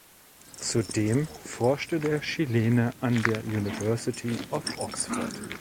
Zudem forschte der Chilene an der University of Oxford.